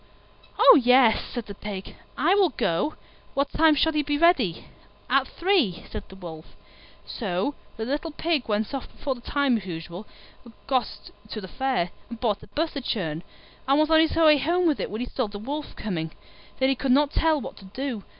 "Oh, yes," said the Pig, "I will go; what time shall you be ready?" "At three," said the Wolf. So the little Pig went off before the time, as usual, and got to the Fair, and bought a butter churn, and was on his way home with it when he saw the Wolf coming. Then he could not tell what to do.